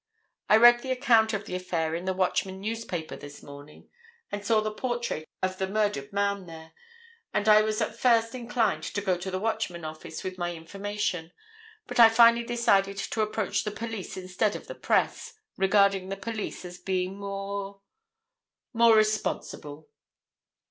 I read the account of the affair in the Watchman newspaper this morning, and saw the portrait of the murdered man there, and I was at first inclined to go to the Watchman office with my information, but I finally decided to approach the police instead of the Press, regarding the police as being more—more responsible."